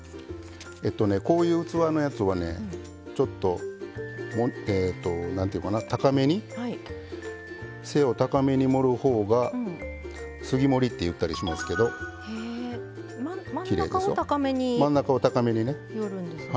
こういう器のやつはちょっと背を高めに盛るほうがつぎ盛りっていったりしますけどきれいですよ。